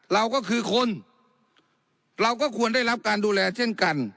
เราก็คือคนเราก็ควรได้รับการดูแลเช่นกัน